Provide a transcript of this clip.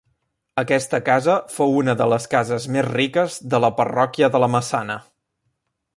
Aquesta casa fou una de les cases més riques de la parròquia de la Massana.